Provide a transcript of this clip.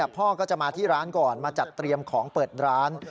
พ่อก็จะมาที่ร้านก่อนมาจัดเตรียมของเปิดร้าน